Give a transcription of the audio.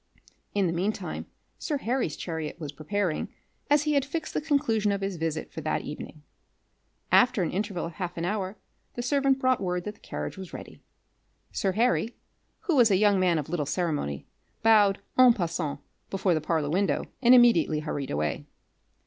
In the mean time sir Harry's chariot was preparing, as he had fixed the conclusion of his visit for that evening. After an interval of half an hour the servant brought word that the carriage was ready. Sir Harry, who was a young man of little ceremony, bowed en passant before the parlour window, and immediately hurried away.